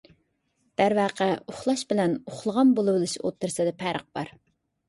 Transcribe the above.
دەرۋەقە، ئۇخلاش بىلەن ئۇخلىغان بولۇۋېلىش ئوتتۇرىسىدا پەرق بار.